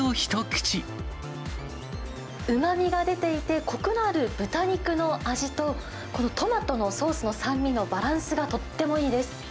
うまみが出ていて、こくのある豚肉の味と、このトマトのソースの酸味のバランスがとってもいいです。